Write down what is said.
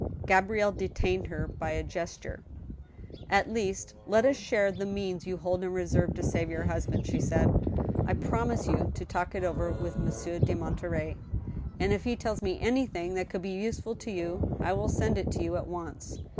Gabrielle de tained her by a gesture. " At least let us share the means you hold in reserve to save your husband," she said. " I promise you to talk it over with Mon sieur de Monterey, and, if he tells me anything that could be useful to you, I will send it to you at once.